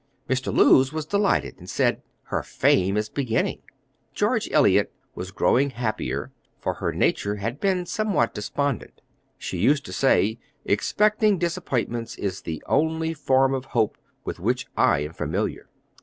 Mr. Lewes was delighted, and said, "Her fame is beginning." George Eliot was growing happier, for her nature had been somewhat despondent. She used to say, "Expecting disappointments is the only form of hope with which I am familiar."